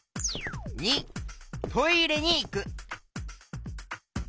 ②トイレにいく。